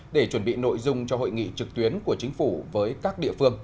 để chuẩn bị nội dung cho hội nghị trực tuyến của chính phủ với các địa phương